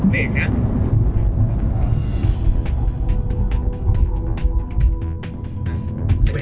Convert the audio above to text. เบรกเนี่ย